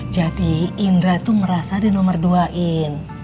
jadi indra tuh merasa di nomor dua in